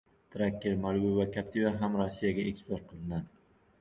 Tracker, Malibu va Captiva ham Rossiyaga eksport qilinadi